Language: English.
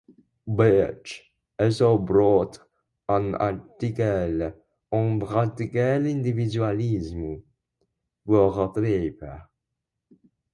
Bradlaugh also wrote an article on "practical individualism" for the paper.